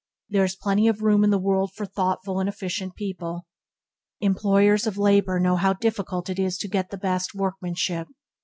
There is plenty of room in the world for thoughtful and efficient people. Employers of labour know how difficult it is to get the best workmanship.